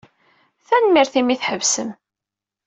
Tanemmirt imi ay d-tḥebsem.